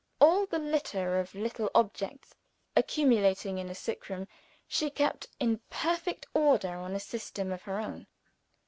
All the litter of little objects accumulating in a sick room, she kept in perfect order on a system of her own.